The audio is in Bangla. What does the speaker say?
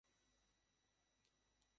এখানে কী করছো?